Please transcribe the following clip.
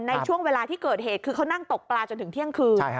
ในช่วงเวลาที่เกิดเหตุคือเขานั่งตกปลาจนถึงเที่ยงคืน